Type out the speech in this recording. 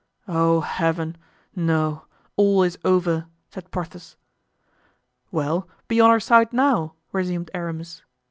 "Oh, Heaven! No, all is over!" said Porthos. "Well, be on our side now," resumed Aramis.